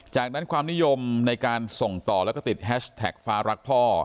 จากนั้นความนิยมในการส่งต่อแล้วก็ติดแฮชแท็กฟ้ารักพ่อ